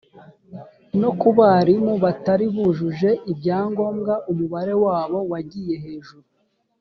no ku barimu batari bujuje ibyangombwa umubare wabo wagiye hejuru